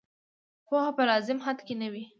پوهه په لازم حد کې نه وي.